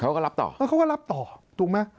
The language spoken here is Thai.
เขาก็รับต่อเออเขาก็รับต่อถูกไหม